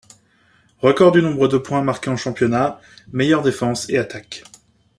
Record du nombre de points marqués en championnat, meilleure défense et attaque.